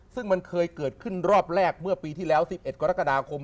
ซึ่งมันเคยเกิดขึ้นรอบแรกเมื่อปีที่แล้ว๑๑กรกฎาคม